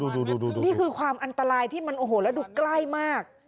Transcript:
นี่คือความอันตรายที่มันโอ้โหแล้วดูใกล้มาก